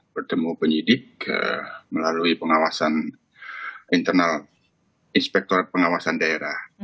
bertemu penyidik melalui pengawasan internal inspektor pengawasan daerah